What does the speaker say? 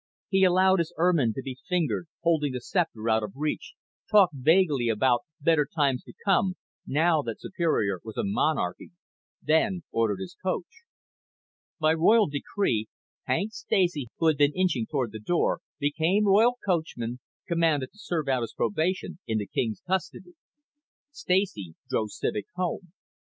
He allowed his ermine to be fingered, holding the scepter out of reach, talked vaguely about better times to come now that Superior was a monarchy, then ordered his coach. By royal decree Hank Stacy, who had been inching toward the door, became royal coachman, commanded to serve out his probation in the king's custody. Stacy drove Civek home.